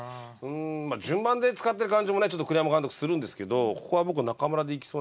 順番で使ってる感じもね栗山監督するんですけどここは僕中村でいきそうな気がします。